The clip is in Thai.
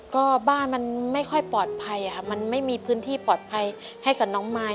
ก็บ้านมันไม่ค่อยปลอดภัยค่ะมันไม่มีพื้นที่ปลอดภัยให้กับน้องมาย